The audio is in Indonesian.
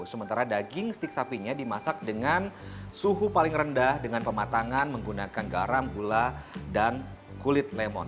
sementara daging stik sapinya dimasak dengan suhu paling rendah dengan pematangan menggunakan garam gula dan kulit lemon